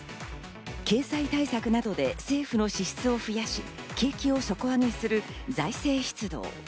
経済対策などで政府の支出を増やして景気を底上げする財政出動。